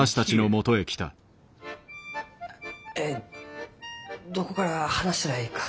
えどこから話したらえいか。